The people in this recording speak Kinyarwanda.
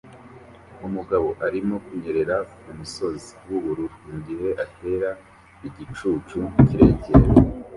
Umugabo arimo kunyerera kumusozi wubura mugihe atera igicucu kirekire